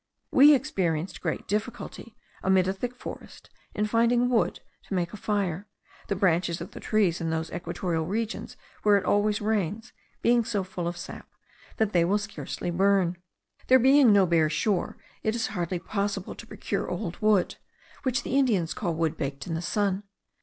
We experienced great difficulty, amid a thick forest, in finding wood to make a fire, the branches of the trees in those equatorial regions where it always rains, being so full of sap, that they will scarcely burn. There being no bare shore, it is hardly possible to procure old wood, which the Indians call wood baked in the sun.